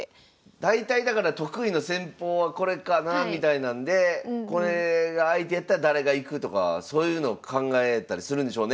大体だから得意の戦法はこれかなみたいなんでこれが相手やったら誰がいくとかそういうのを考えたりするんでしょうね。